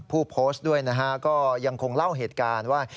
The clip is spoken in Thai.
ผู้โพสต์ด้วยนะฮะก็ยังคงเล่าเหตุการณ์ว่า